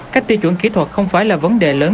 các tiêu chuẩn kỹ thuật không phải là vấn đề lớn